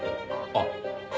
あっ。